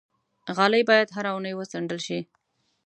غالۍ باید هره اونۍ وڅنډل شي.